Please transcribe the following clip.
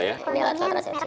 ini alat kontrasepsi